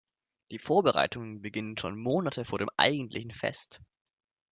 Die Vorbereitungen beginnen schon Monate vor dem eigentlichen Fest.